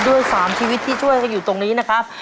ด้วย๓ชีวิตที่ช่วยกันอยู่ตรงนี้นะครับ